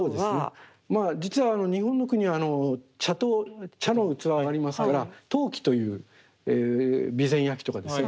まあ実は日本の国茶陶茶の器はありますから陶器という備前焼とかですね